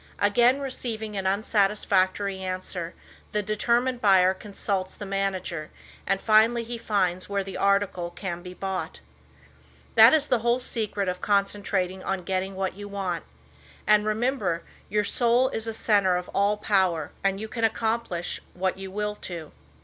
Again receiving an unsatisfactory answer the determined buyer consults the manager and finally he finds where the article can be bought. That is the whole secret of concentrating on getting what you want. And, remember, your soul is a center of all power, and you can accomplish what you will to.